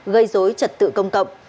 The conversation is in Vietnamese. gây dối trật tự công cộng